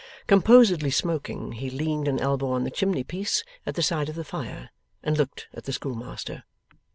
Composedly smoking, he leaned an elbow on the chimneypiece, at the side of the fire, and looked at the schoolmaster.